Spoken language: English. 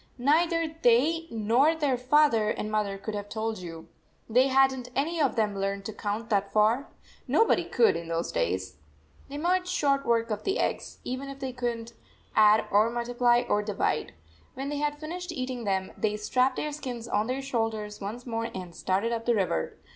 Neither they nor their father and mother could have told you. They had n t any of them learned to count that far. Nobody could in those days. They made short work of the eggs, even if they could n t add or multiply or divide. When they had finished eating them, they strapped their skins on their shoulders once more and started up the river.